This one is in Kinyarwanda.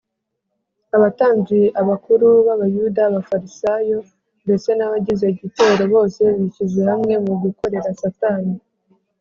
abatambyi, abakuru b’abayuda, abafarisayo ndetse n’abagize igitero bose bishyize hamwe mu gukorera satani